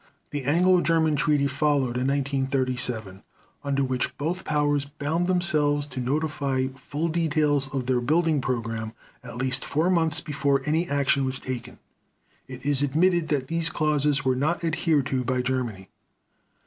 The Anglo German Treaty followed in 1937, under which both Powers bound themselves to notify full details of their building program at least four months before any action was taken. It is admitted that these clauses were not adhered to by Germany.